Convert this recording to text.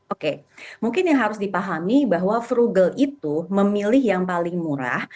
oke mungkin yang harus dipahami bahwa frugal itu memilih yang paling murah